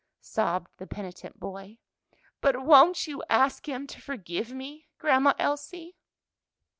sobbed the penitent boy. "But won't you ask Him to forgive me, Grandma Elsie?"